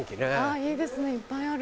いいですねいっぱいある。